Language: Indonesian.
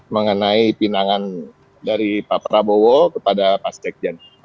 mengenai pinangan dari pak prabowo kepada pak sekjen